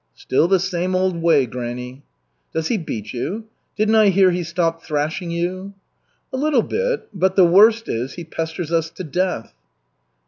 "Still the same old way, granny." "Does he beat you? Didn't I hear he stopped thrashing you?" "A little bit, but the worst is, he pesters us to death."